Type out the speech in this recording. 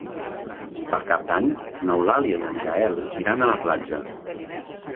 Per Cap d'Any n'Eulàlia i en Gaël iran a la platja.